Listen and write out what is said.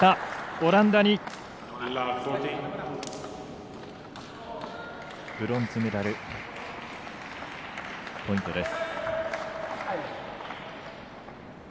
オランダにブロンズメダル、ポイントです。